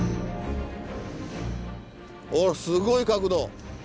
おすごい角度。